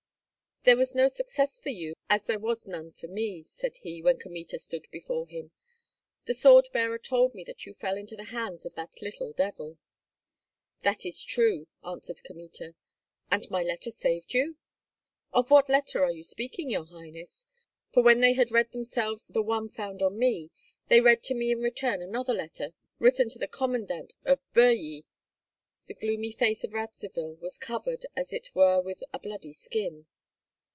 "There was no success for you, as there was none for me," said he, when Kmita stood before him. "The sword bearer told me that you fell into the hands of that little devil." "That is true," answered Kmita. "And my letter saved you?" "Of what letter are you speaking, your highness? For when they had read themselves the one found on me, they read to me in return another letter, written to the commandant of Birji." The gloomy face of Radzivill was covered as it were with a bloody skin.